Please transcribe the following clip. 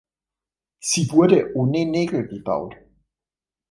Sie wurde ohne Nägel gebaut.